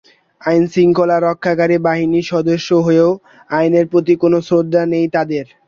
আইনশৃঙ্খলা রক্ষাকারী বাহিনীর সদস্য হয়েও আইনের প্রতি কোনো শ্রদ্ধা নেই তাদের।